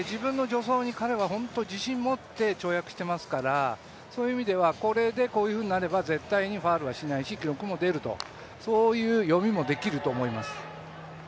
自信を持って跳躍していますからこれで、こういうふうになれば絶対にファウルはしないし記録も出るという読みもできると思います。